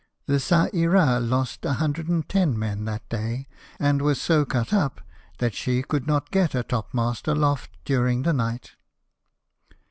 The Qa Ira lost 110 men that day, and Avas so cut up that she could not get a topmast aloft during the night.